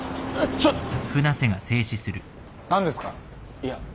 いや。